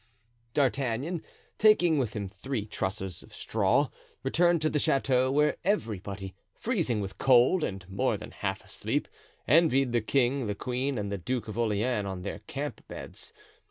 D'Artagnan, taking with him three trusses of straw, returned to the chateau, where everybody, freezing with cold and more than half asleep, envied the king, the queen, and the Duke of Orleans, on their camp beds.